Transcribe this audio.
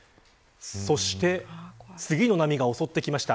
そして、次の波が襲ってきました。